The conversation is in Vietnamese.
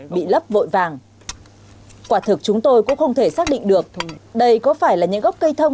bị lấp vội vàng quả thực chúng tôi cũng không thể xác định được đây có phải là những gốc cây thông